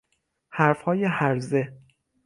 حرف های هرزه